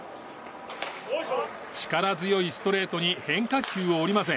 力強いストレートに変化球を織り交ぜ